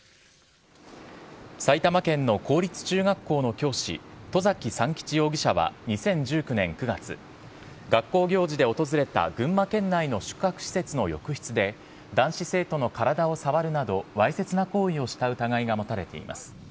埼玉県の公立中学校の教師、外崎三吉容疑者は２０１９年９月、学校行事で訪れた群馬県内の宿泊施設の浴室で、男子生徒の体を触るなど、わいせつな行為をした疑いが持たれています。